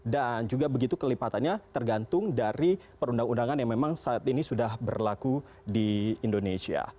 dan juga begitu kelipatannya tergantung dari perundang undangan yang memang saat ini sudah berlaku di indonesia